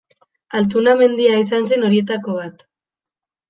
Altuna mendia izan zen horietako bat.